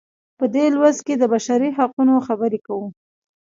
په دې لوست کې د بشري حقونو خبرې کوو.